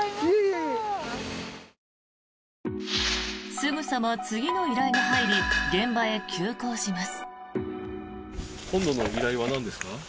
すぐさま次の依頼が入り現場へ急行します。